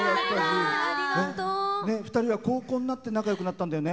２人は高校になって仲よくなったんだよね。